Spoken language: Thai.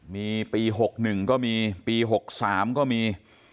มีปี๖๑ก็มีปี๖๓ก็มี